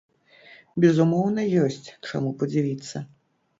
Безумоўна, ёсць чаму падзівіцца.